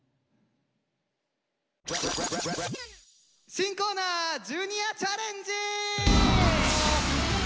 新コーナー「ジュニアチャレンジ」！